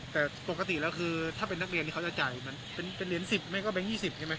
แต่ปกติแล้วคือถ้าเป็นนักเรียนที่เขาจะจ่ายมันเป็นเหรียญ๑๐ไม่ก็แบงค์๒๐ใช่ไหม